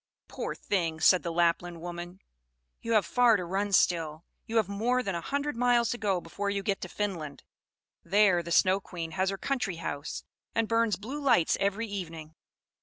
"Poor thing," said the Lapland woman, "you have far to run still. You have more than a hundred miles to go before you get to Finland; there the Snow Queen has her country house, and burns blue lights every evening.